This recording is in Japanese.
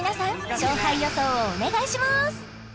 勝敗予想をお願いします